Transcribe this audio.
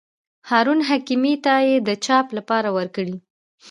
هارون حکیمي ته یې د چاپ لپاره ورکړي.